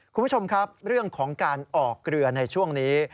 คุณผู้ชมครับเรื่องของการออกเรือในช่วงนี้